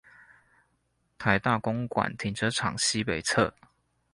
臺大公館停車場西北側